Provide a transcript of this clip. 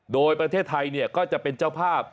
โดยประเทศไทยก็จะเป็นเจ้าภาพ